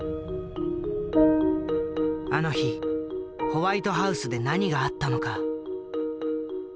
あの日ホワイトハウスで何があったのか？